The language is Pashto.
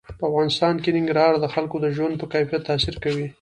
په افغانستان کې ننګرهار د خلکو د ژوند په کیفیت تاثیر کوي.